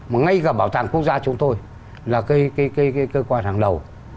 mà ngay cả bảo tàng quốc gia chúng tôi là cơ quan hàng đầu